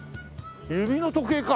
指の時計か！